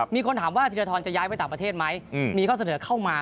มีคนถามว่าธีรทรจะย้ายไปต่างประเทศไหมมีข้อเสนอเข้ามา